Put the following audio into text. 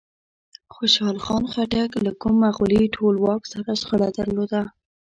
خوشحال خټک له کوم مغولي ټولواک سره شخړه درلوده؟